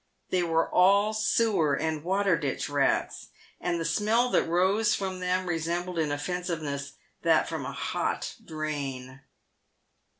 They w r ere all sewer and water ditch rats, and the smell that rose from them resembled in offensiveness that from a hot drain.